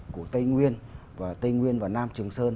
của tây nguyên và tây nguyên và nam trường sơn